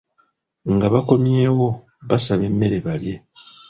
Nga bakomyewo, basaba emmere balye.